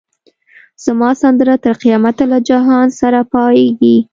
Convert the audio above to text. زما سندره تر قیامته له جهان سره پاییږی